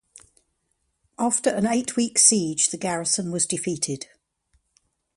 After an eight-week siege, the garrison was defeated.